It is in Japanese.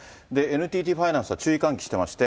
ＮＴＴファイナンスは注意喚起してまして。